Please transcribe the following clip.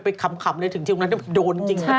เธอจะไปขำเลยถึงตรงนั้นไม่โดนจริง